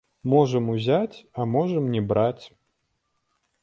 Можам узяць, а можам не браць.